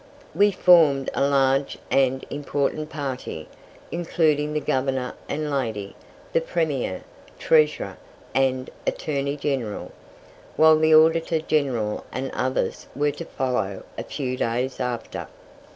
We formed a large and important party, including the Governor and lady, the Premier, Treasurer, and Attorney General, while the Auditor General and others were to follow a few days after.